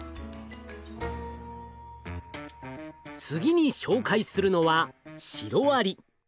次に紹介するのはシロアリ。